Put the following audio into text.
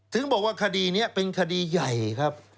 ถึงบอกว่าคดีนี้เป็นคดีใหญ่ครับ